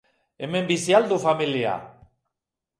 Hemen bizi al du familia?